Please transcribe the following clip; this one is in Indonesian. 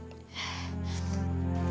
aku sudah mencintai kamila